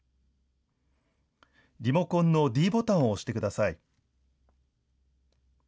リモコンのｄボタンを押してください。